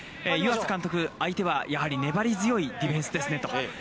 湯浅監督、相手はやはり粘り強いディフェンスですねと。